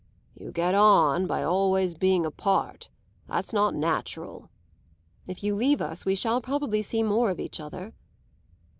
"You get on by always being apart; that's not natural." "If you leave us we shall probably see more of each other."